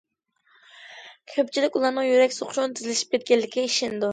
كۆپچىلىك ئۇلارنىڭ يۈرەك سوقۇشىنىڭ تېزلىشىپ كەتكەنلىكىگە ئىشىنىدۇ.